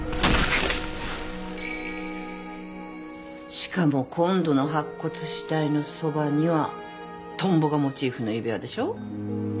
しかも今度の白骨死体のそばにはトンボがモチーフの指輪でしょ。